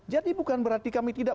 jadi bukan berarti kami tidak